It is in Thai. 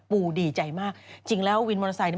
ดีใจมากจริงแล้ววินมอเตอร์ไซค์เนี่ย